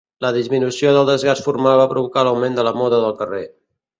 La disminució del desgast formal va provocar l'augment de la moda del carrer.